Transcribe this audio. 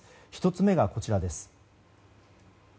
１つ目がこちらです。